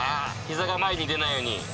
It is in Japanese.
膝が前に出ないように。